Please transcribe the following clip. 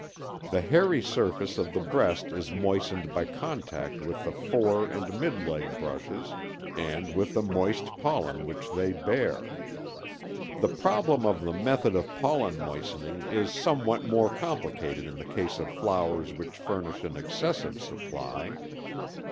The hairy surface of the breast is moistened by contact with the fore and mid leg brushes and with the moist pollen which they bear. The problem of the method of pollen moistening is somewhat more complicated in the case of flowers which furnish an excessive supply.